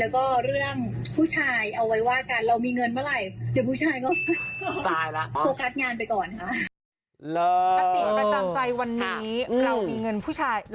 แล้วก็เรื่องผู้ชายเอาไว้ว่ากันเรามีเงินเมื่อไหร่